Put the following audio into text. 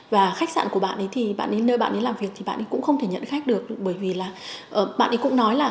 và khách sạn của bạn ấy thì bạn đến nơi bạn ấy làm việc thì bạn ấy cũng không thể nhận khách được bởi vì là bạn ấy cũng nói là